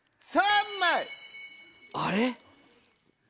あれ？